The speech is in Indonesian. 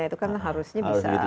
itu kan harusnya bisa jauh lebih bagus